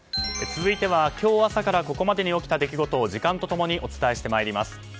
続いては今日朝からここまでに起きた出来事を時間と共にお伝えしてまいります。